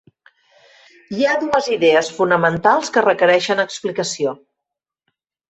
Hi ha dues idees fonamentals que requereixen explicació.